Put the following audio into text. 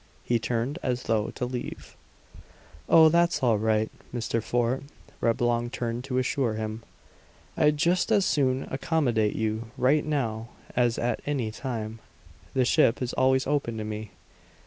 He turned as though to leave. "Oh, that's all right, Mr. Fort," Reblong hurried to assure him. "I'd just as soon accommodate you right now as at any time. The ship is always open to me."